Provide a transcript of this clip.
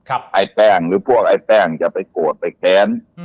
ไอ้แป้งหรือพวกไอ้แป้งอย่าไปโกรธไปแค้น